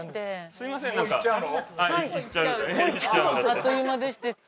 あっという間でして。